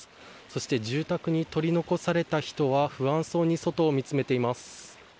そして住宅に取り残された人は不安そうに外を見つめています。